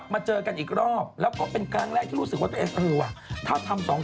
มาแบบปรุบปรับาก